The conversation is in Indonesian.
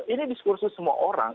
ini diskursus semua orang